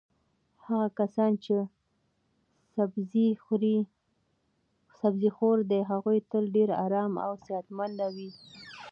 هغه کسان چې سبزي خور دي هغوی تل ډېر ارام او صحتمند وي.